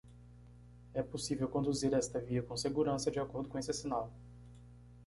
É possível conduzir esta via com segurança de acordo com esse sinal.